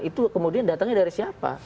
itu kemudian datangnya dari siapa